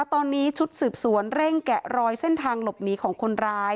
ตอนนี้ชุดสืบสวนเร่งแกะรอยเส้นทางหลบหนีของคนร้าย